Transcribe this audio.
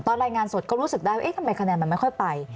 รายงานสดก็รู้สึกได้ว่าเอ๊ะทำไมคะแนนมันไม่ค่อยไป